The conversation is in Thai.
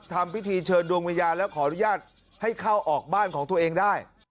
ทำพิธีเชิญดวงวิญญาณและขออนุญาตให้เข้าออกบ้านของตัวเองได้